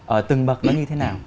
ở từng bậc nó như thế nào